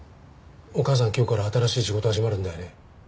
お母さん今日から新しい仕事始まるんだよね？